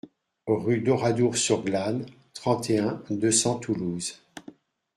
Rue d'Oradour sur Glane, trente et un, deux cents Toulouse